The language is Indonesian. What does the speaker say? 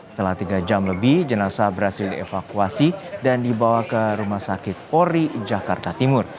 setelah tiga jam lebih jenazah berhasil dievakuasi dan dibawa ke rumah sakit ori jakarta timur